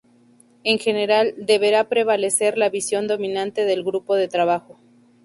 En general, deberá prevalecer la visión dominante del grupo de trabajo.